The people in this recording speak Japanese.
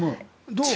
どう？